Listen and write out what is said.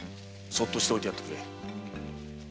そっとしておいてやってくれ。